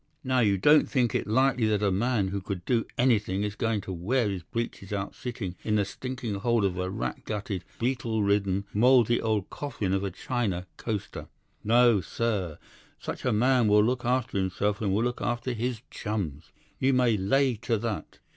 Now, you don't think it likely that a man who could do anything is going to wear his breeches out sitting in the stinking hold of a rat gutted, beetle ridden, mouldy old coffin of a China coaster. No, sir, such a man will look after himself and will look after his chums. You may lay to that!